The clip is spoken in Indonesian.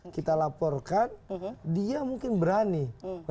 kita laporkan dia mungkin berani